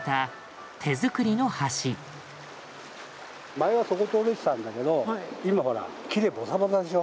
前はそこ通れてたんだけど今ほら木でボサボサでしょ。